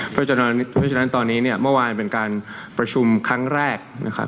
เพราะฉะนั้นตอนนี้เนี่ยเมื่อวานเป็นการประชุมครั้งแรกนะครับ